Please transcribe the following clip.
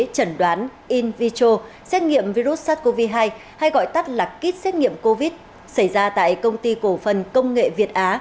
chẩn đoán in vicho xét nghiệm virus sars cov hai hay gọi tắt là kit xét nghiệm covid xảy ra tại công ty cổ phần công nghệ việt á